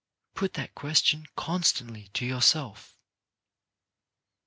' Put that question constantly to yourself.